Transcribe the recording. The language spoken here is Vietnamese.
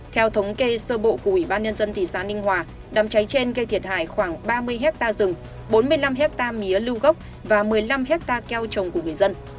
theo thống kê sơ bộ của ủy ban nhân dân thị xã ninh hòa đám cháy trên gây thiệt hại khoảng ba mươi hectare rừng bốn mươi năm hectare mía lưu gốc và một mươi năm hectare keo trồng của người dân